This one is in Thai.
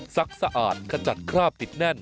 ซักสะอาดขจัดคราบติดแน่น